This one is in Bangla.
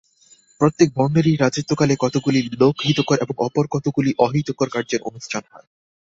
প্রত্যেক বর্ণেরই রাজত্বকালে কতকগুলি লোকহিতকর এবং অপর কতকগুলি অহিতকর কার্যের অনুষ্ঠান হয়।